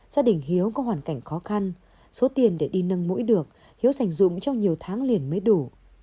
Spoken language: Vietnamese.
gia đình hiếu có hoàn cảnh khó khăn số tiền để đi nâng mũi được hiếu sản dụng trong nhiều tháng liền mới đủ